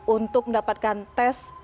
untuk mendapatkan tes